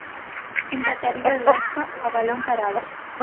Empataría o Huesca a balón parado.